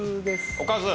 おかず。